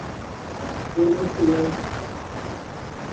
denunciante